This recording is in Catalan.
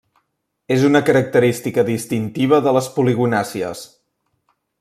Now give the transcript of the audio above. És una característica distintiva de les poligonàcies.